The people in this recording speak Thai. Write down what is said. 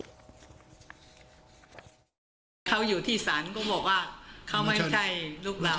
เขาอยู่ที่ศาลก็บอกว่าเขาไม่ใช่ลูกเรา